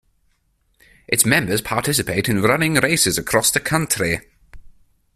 Its members participate in running races across the country.